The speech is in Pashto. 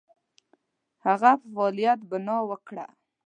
هغه په فعالیت بناء وکړه.